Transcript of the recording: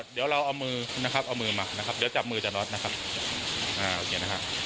เดี๋ยวเราเอามือนะครับเอามือมานะครับเดี๋ยวจับมืออาจารย์ออสนะครับ